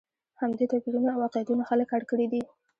همدې توپیرونو او واقعیتونو خلک اړ کړي دي.